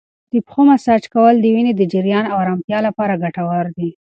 د پښو مساج کول د وینې د جریان او ارامتیا لپاره ګټور دی.